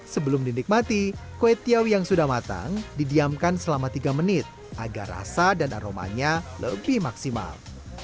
sebelum dinikmati kue tiawi yang sudah matang didiamkan selama tiga menit agar rasa dan aromanya lebih maksimal